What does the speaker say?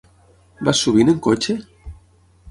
Vas sovint amb cotxe?